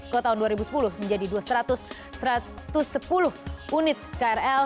ke tahun dua ribu sepuluh menjadi dua ratus satu ratus sepuluh unit krl